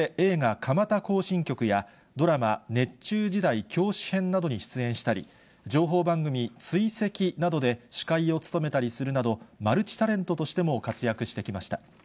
蒲田行進曲や、ドラマ、熱中時代教師編などに出演したり、情報番組、追跡などで司会を務めたりするなど、マルチタレントとしても活躍してきました。